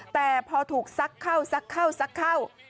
แต่พอถูกซักเข้า